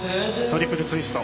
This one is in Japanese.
「トリプルツイスト」